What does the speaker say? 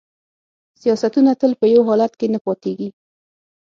سیاستونه تل په یو حالت کې نه پاتیږي